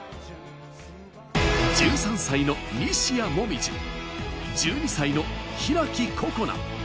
１３歳の西矢椛、１２歳の開心那。